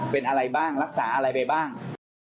เป็นอะไรบ้างรักษาอะไรไปบ้าง